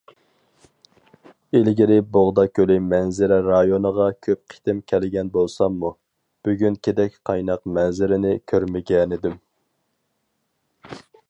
ئىلگىرى بوغدا كۆلى مەنزىرە رايونىغا كۆپ قېتىم كەلگەن بولساممۇ، بۈگۈنكىدەك قايناق مەنزىرىنى كۆرمىگەنىدىم.